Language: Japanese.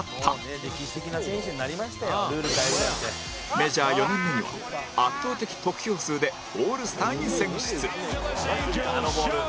メジャー４年目には圧倒的得票数でオールスターに選出